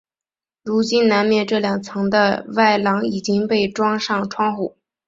如今南面这两层的外廊已经被装上窗户。